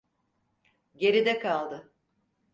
Geride kaldı.